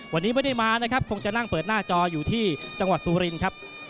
วันนี้ไม่ได้มานะครับคงจะนั่งเปิดหน้าจออยู่ที่จังหวัดสุรินครับ